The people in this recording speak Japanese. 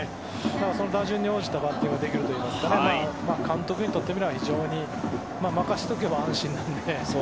打順に応じたバッティングができるというか監督にとってみれば非常に任せておけば安心なので。